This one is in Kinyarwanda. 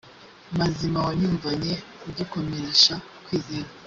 mazima wanyumvanye ugikomeresha kwizera